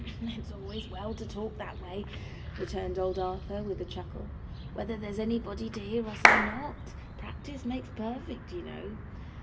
'It's always as well to talk that way,' returned old Arthur, with a chuckle, 'whether there's anybody to hear us or not. Practice makes perfect, you know.